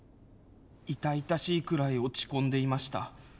痛々しいくらい落ち込んでいました。